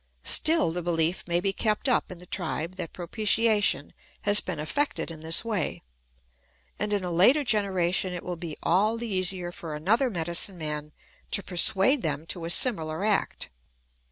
Still the behef may be kept up in the tribe that propitiation has been effected in this way ; and in a later generation it will be all the easier for another medicine man to persuade them to a similar act.